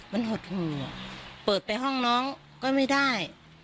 มันหดหูเปิดไปห้องน้องก็ไม่ได้